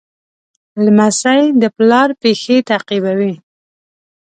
لمسی د پلار پېښې تعقیبوي.